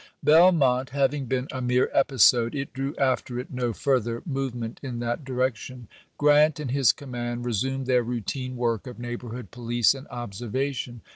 Belmont having been a mere episode, it drew after it no further movement in that direction. Grant and his command resumed their routine work of neighborhood police and observation.